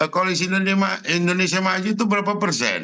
koalisi indonesia maju itu berapa persen